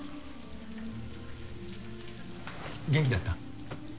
元気だった？